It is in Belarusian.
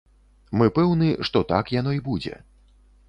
Мы пэўны, што так яно і будзе.